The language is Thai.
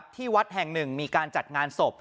ที่วัดแห่งหนึ่งมีการจัดงานศพ